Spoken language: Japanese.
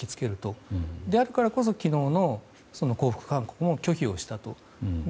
そうであるからこそ昨日の降伏勧告も拒否をしたと。